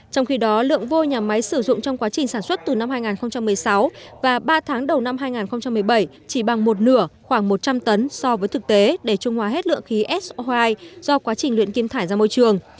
trong khi đó lượng vôi nhà máy sử dụng trong quá trình sản xuất từ năm hai nghìn một mươi sáu và ba tháng đầu năm hai nghìn một mươi bảy chỉ bằng một nửa khoảng một trăm linh tấn so với thực tế để trung hóa hết lượng khí so hai do quá trình luyện kim thải ra môi trường